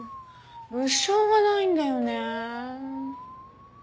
物証がないんだよねえ。